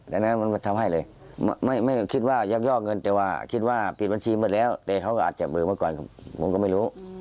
แล้วพี่ดูจริงเหรอ